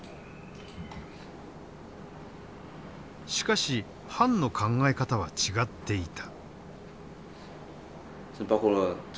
しかし潘の考え方は違っていた。